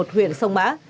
huyện sông mã